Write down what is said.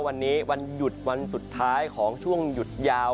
วันนี้วันหยุดวันสุดท้ายของช่วงหยุดยาว